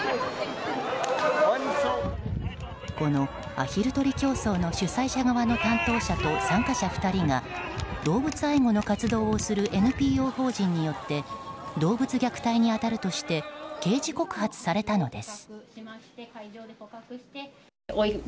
このアヒル取り競争の主催者側の担当者と参加者２人が動物愛護の活動をするＮＰＯ法人によって動物虐待に当たるとして刑事告発されたのです。